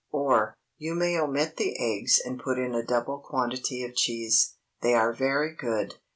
Or, You may omit the eggs and put in a double quantity of cheese. They are very good.